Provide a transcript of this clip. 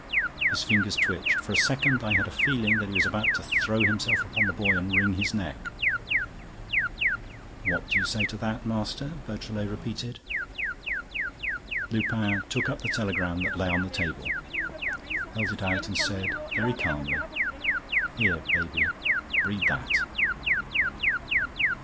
His fingers twitched. For a second, I had a feeling that he was about to throw himself upon the boy and wring his neck. "What do you say to that, master?" Beautrelet repeated. Lupin took up the telegram that lay on the table, held it out and said, very calmly: "Here, baby, read that."